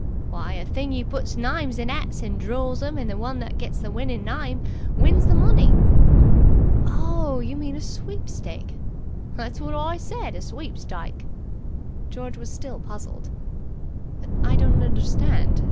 "Why, a thing you puts names in 'ats and draw 'em and the one that gets the winning name wins the money." "Oh, you mean a sweepstake!" "That's wot I said a sweepstike." George was still puzzled. "But I don't understand.